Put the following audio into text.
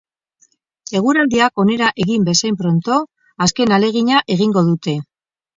Eguraldiak onera egin bezain pronto, azken ahalegina egingo dute.